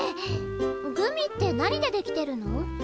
グミって何で出来てるの？